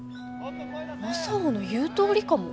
正男の言うとおりかも。